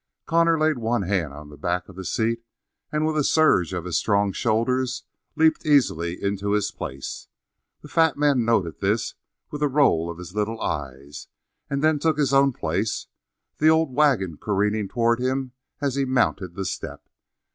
Connor laid one hand on the back of the seat, and with a surge of his strong shoulders leaped easily into his place; the fat man noted this with a roll of his little eyes, and then took his own place, the old wagon careening toward him as he mounted the step.